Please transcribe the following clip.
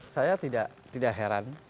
saya tidak heran